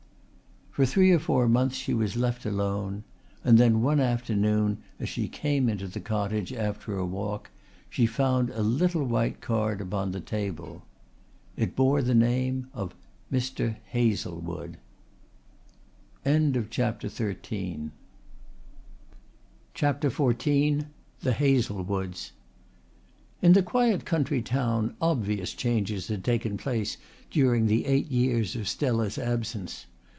For three or four months she was left alone; and then one afternoon as she came into the cottage after a walk she found a little white card upon the table. It bore the name of Mr. Hazlewood. CHAPTER XIV THE HAZLEWOODS In the quiet country town obvious changes had taken place during the eight years of Stella's absence.